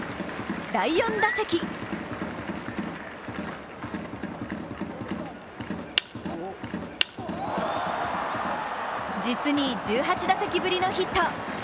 第４打席実に１８打席ぶりのヒット。